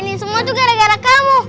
ali ini semua tuh gara gara kamu